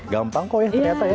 gampang kok ya ternyata ya